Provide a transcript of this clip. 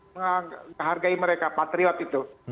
menghargai mereka patriot itu